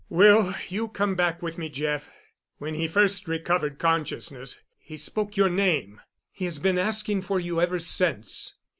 "Will you go back with me, Jeff? When he first recovered consciousness he spoke your name. He has been asking for you ever since.